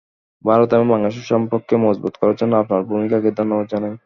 ভারত এবং বাংলাদেশের সম্পর্ককে মজবুত করার জন্য আপনার ভূমিকাকে ধন্যবাদ জানাই।